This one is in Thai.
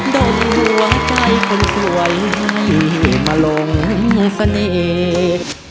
ดมตัวใจคนสวยให้มาลงสนิท